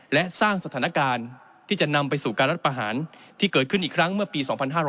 และสร้างสถานการณ์ที่จะนำไปสู่การรัฐประหารที่เกิดขึ้นอีกครั้งเมื่อปี๒๕๕๙